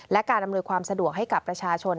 และการอำนวยความสะดวกให้กับประชาชน